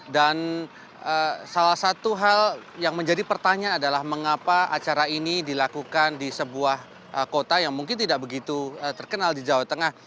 dan salah satu hal yang menjadi pertanyaan adalah mengapa acara ini dilakukan di sebuah kota yang mungkin tidak begitu terkenal di jawa tengah